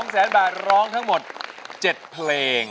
แสนบาทร้องทั้งหมด๗เพลง